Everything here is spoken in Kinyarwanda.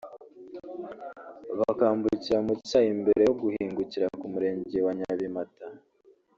bakambukira mu cyayi mbere yo guhingukira ku Murenge wa Nyabimata